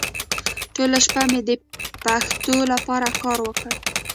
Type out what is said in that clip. ټوله شپه مې د پښتو لپاره کار وکړ.